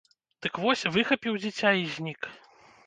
Дык вось, выхапіў дзіця і знік.